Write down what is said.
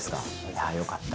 いやあよかった。